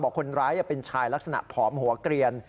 คนร้ายเป็นชายลักษณะผอมหัวเกลียน